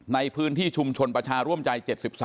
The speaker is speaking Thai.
ในพื้นที่ชุมชนประชาร่วมใจ๗๓